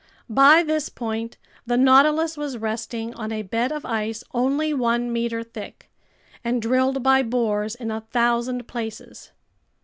By this point the Nautilus was resting on a bed of ice only one meter thick and drilled by bores in a thousand places.